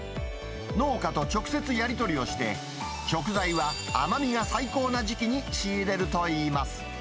農家と直接やり取りをして、食材は甘みが最高な時期に仕入れるといいます。